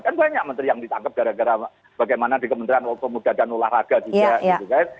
kan banyak menteri yang ditangkap gara gara bagaimana di kementerian pemuda dan olahraga juga gitu kan